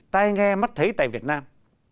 tai nghe mắt thấy tại việt nam